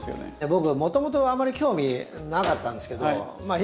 僕もともとはあんまり興味なかったんですけどまあ